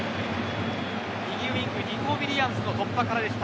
右ウイングニコ・ウィリアムズの突破からでした。